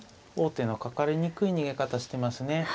王手のかかりにくい逃げ方してますね。